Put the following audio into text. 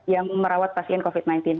yang merawat pasien covid sembilan belas